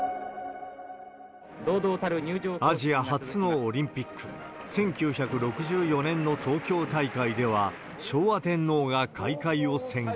アジア初のオリンピック、１９６４年の東京大会では、昭和天皇が開会を宣言。